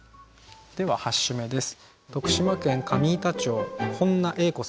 では８首目です。